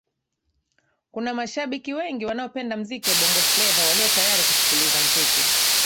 kuna mashabiki wengi wanaopenda muziki wa bongo fleva walio tayari kusikiliza muziki